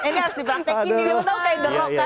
ini harus di praktekin nih